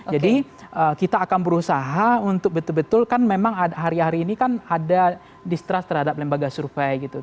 jadi kita akan berusaha untuk betul betul kan memang hari hari ini kan ada distrust terhadap lembaga surpay gitu